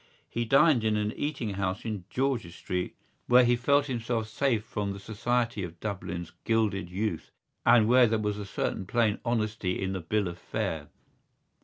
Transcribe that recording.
He dined in an eating house in George's Street where he felt himself safe from the society of Dublin's gilded youth and where there was a certain plain honesty in the bill of fare.